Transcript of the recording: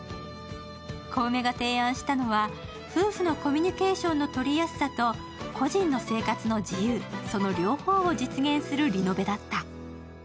小梅が提案したのは、夫婦のコミュニケーションの取りやすさと個人の生活の自由、その両方を実現するリノベだった。